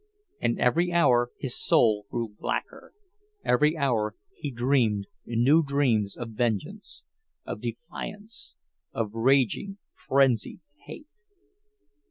And every hour his soul grew blacker, every hour he dreamed new dreams of vengeance, of defiance, of raging, frenzied hate.